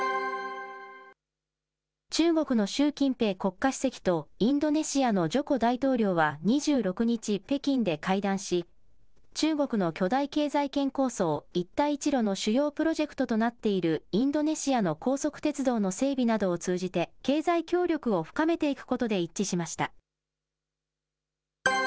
中国の習近平国家主席とインドネシアのジョコ大統領は２６日、北京で会談し、中国の巨大経済圏構想、一帯一路の主要プロジェクトとなっているインドネシアの高速鉄道の整備などを通じて、経済協力を深めていくことで一致しました。